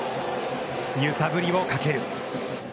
揺さぶりをかける。